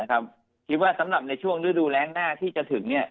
คิดว่าสำหรับในช่วงฤดูแรงหน้าที่จะถึง